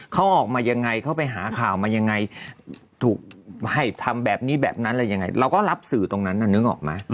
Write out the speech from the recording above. เขาออกมายังไงเขาไปหาข่าวมายังไงถูกให้ทำแบบนี้แบบนั้นอะไรยังไงเราก็รับสื่อตรงนั้นน่ะนึกออกไหม